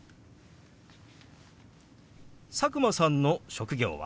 佐久間さんの職業は？